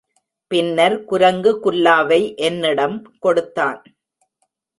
பின்னர் குரங்கு குல்லாவை என்னிடம் கொடுத்தான்.